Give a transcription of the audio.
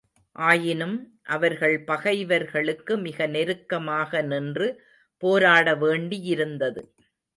ஆயினும், அவர்கள் பகைவர்களுக்கு மிக நெருக்கமாக நின்று போராட வேண்டியிருந்தது.